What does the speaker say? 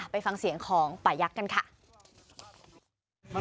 ไปฟังเสียงของป่ายักษ์กันค่ะ